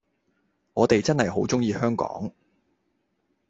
我哋真係好鍾意香港